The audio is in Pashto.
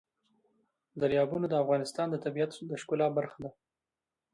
دریابونه د افغانستان د طبیعت د ښکلا برخه ده.